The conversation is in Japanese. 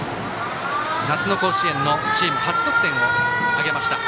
夏の甲子園のチーム初得点を挙げました。